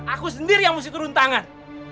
aku sendiri yang mesti turun tangan